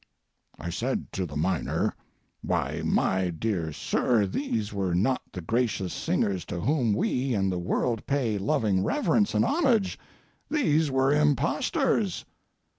I said to the miner, "Why, my dear sir, these were not the gracious singers to whom we and the world pay loving reverence and homage; these were impostors."